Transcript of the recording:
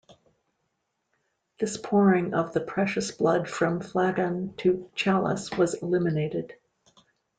This pouring of the precious blood from flagon to chalice was eliminated.